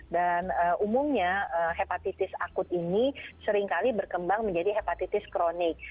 dan umumnya hepatitis akut ini seringkali berkembang menjadi hepatitis kronik